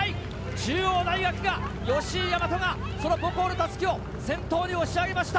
中央大学が吉居大和が、その母校の襷を先頭に押し上げました。